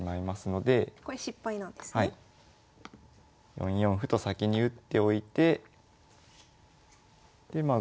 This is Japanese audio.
４四歩と先に打っておいてでまあ